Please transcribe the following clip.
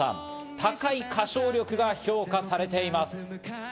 高い歌唱力が評価されています。